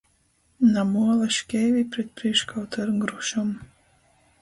Na muola škeivi pret prīškautu ar grušom.